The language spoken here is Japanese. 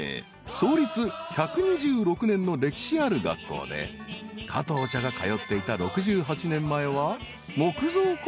創立１２６年の歴史ある学校で加藤茶が通っていた］